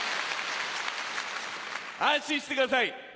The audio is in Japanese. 安心してください。